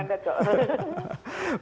ya tidak ada komandat dong